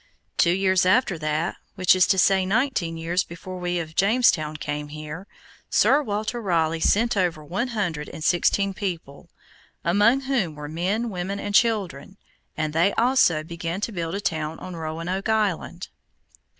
Two years after that, which is to say nineteen years before we of Jamestown came here, Sir Walter Raleigh sent over one hundred and sixteen people, among whom were men, women and children, and they also began to build a town on Roanoke Island.